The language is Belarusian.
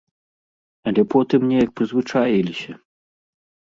Але потым неяк прызвычаіліся.